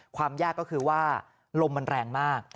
ความยากก็คือว่าลมมันแรงมาก